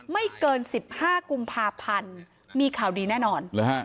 ไม่เกิน๑๕กุมภาพันธ์มีข่าวดีแน่นอน